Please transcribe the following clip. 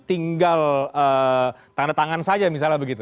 tinggal tanda tangan saja misalnya begitu